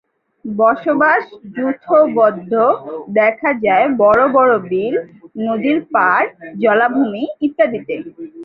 বসবাস যূথবদ্ধ, দেখা যায় বড় বড় বিল, নদীর পাড়, জলাভূমি, ইত্যাদিতে।